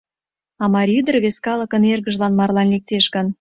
— А марий ӱдыр вес калыкын эргыжлан марлан лектеш гын?